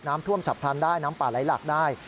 น้ำท่วมฉับพลันได้น้ำป่าไหลหลักได้